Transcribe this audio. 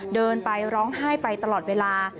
เดินไปร้องไห้ไปตลอดเวลา